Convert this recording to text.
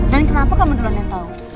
dan kenapa kamu duluan yang tahu